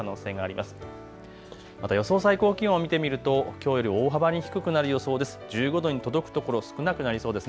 また予想最高気温を見てみるときょうより大幅に低くなる予想です。